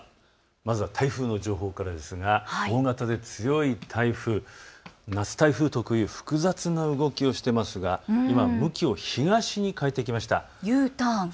まずは台風の情報からですが大型で強い台風、夏台風特有、複雑な動きをしていますが今、動きを東に変えてきました。